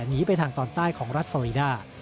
หนีไปทางตอนใต้ของรัฐฟอรีดา